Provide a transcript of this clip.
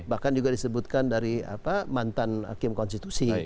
bahkan juga disebutkan dari mantan hakim konstitusi